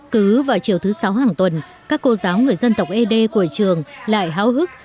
cứ vào chiều thứ sáu hàng tuần các cô giáo người dân tộc ế đê của trường lại háo hức